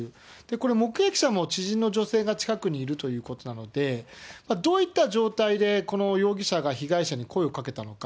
これ、目撃者も知人の女性が近くにいるということなので、どういった状態で、この容疑者が被害者に声をかけたのか。